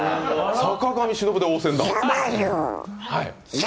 坂上忍で応戦だ。